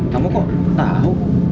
kamu kok tau